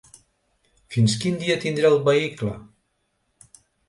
Fins quin dia tindré el vehicle.